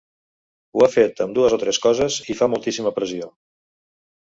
Ho ha fet amb dues o tres coses i fa moltíssima pressió.